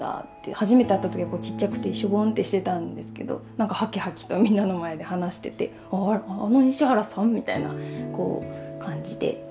初めて会った時はちっちゃくてしょぼんってしてたんですけどなんかハキハキとみんなの前で話してて「あの西原さん？」みたいな感じで。